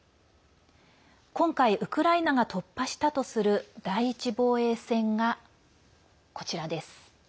今回、ウクライナが突破したとする第１防衛線がこちらです。